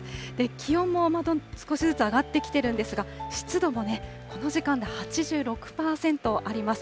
気温も少しずつ上がってきてるんですが、湿度もね、この時間で８６％あります。